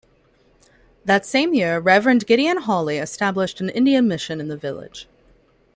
That same year, Reverend Gideon Hawley established an Indian mission in the village.